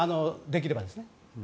できればですね。